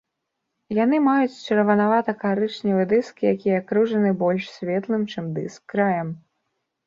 Яны маюць чырванавата-карычневы дыск, які акружаны больш светлым, чым дыск, краем.